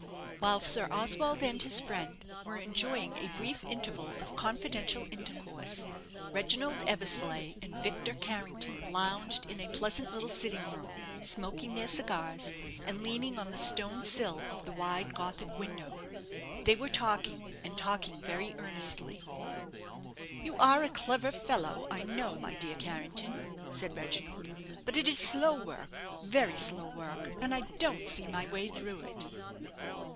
While Sir Oswald and his friend were enjoying a brief interval of confidential intercourse, Reginald Eversleigh and Victor Carrington lounged in a pleasant little sitting room, smoking their cigars, and leaning on the stone sill of the wide Gothic window. They were talking, and talking very earnestly. "You are a very clever fellow, I know, my dear Carrington," said Reginald; "but it is slow work, very slow work, and I don't see my way through it."